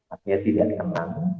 artinya tidak kenal